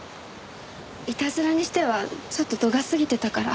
いたずらにしてはちょっと度が過ぎてたから。